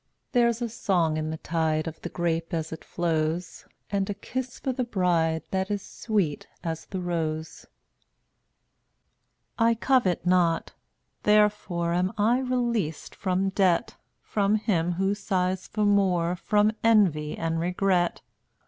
There's a song in the tide Of the grape as it flows, And a kiss for the bride That is sweet as the rose. 202 I covet not, therefore Am I released from debt — From him who sighs for more, From Envy and Regret.